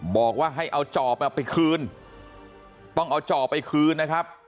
บอกว่าให้เอาจอบไปคืนต้องเอาจอบไปคืนนะครับ